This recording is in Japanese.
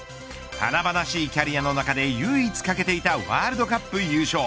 華々しいキャリアの中で唯一欠けていたワールドカップ優勝。